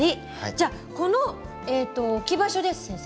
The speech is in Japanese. じゃこの置き場所です先生。